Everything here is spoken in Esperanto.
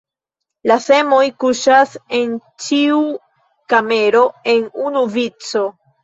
La semoj kuŝas en ĉiu kamero en unu vico.